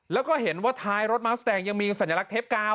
แล้วก็เห็นว่าท้ายรถมัสแตงยังมีสัญลักษ์กาว